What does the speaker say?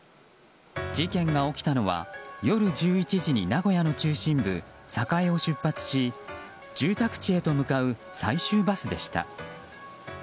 事件が起きたのは夜１１時に名古屋の中心部・栄を出発し住宅地へ向かう最終バスでした。